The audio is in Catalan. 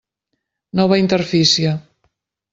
Nova interfície.